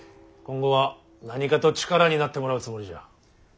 今後は何かと力になってもらうつもりじゃ。